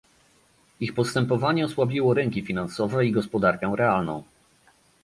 Ich postępowanie osłabiło rynki finansowe i gospodarkę realną